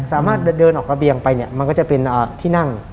สามารถเดินออกระเบียงไปเนี่ยมันก็จะเป็นที่นั่ง